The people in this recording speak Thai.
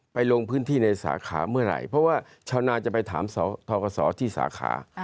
ลงพื้นที่ในสาขาเมื่อไหร่เพราะว่าชาวนาจะไปถามทกศที่สาขา